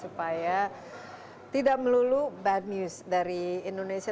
supaya tidak melulu bad news dari indonesia